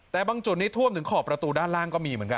แต่บางจุดนี้ท่วมถึงขอบประตูด้านล่างก็มีเหมือนกัน